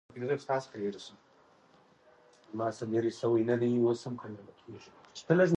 چې اېپوسه نه یې ارخوشي نه کي.